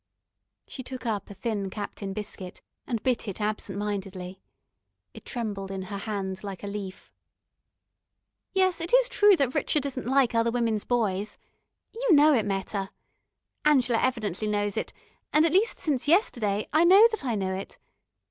She took up a thin captain biscuit and bit it absent mindedly. It trembled in her hand like a leaf. "Yes, it is true that Rrchud isn't like other women's boys. You know it, Meta. Angela evidently knows it, and at least since yesterday I know that I know it.